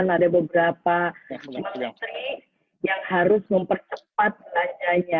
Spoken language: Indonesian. ada beberapa menteri yang harus mempercepat belanjanya